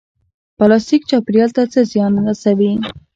پلاستیک چاپیریال ته څه زیان رسوي؟